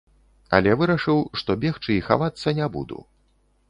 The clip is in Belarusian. Але вырашыў, што бегчы і хавацца не буду.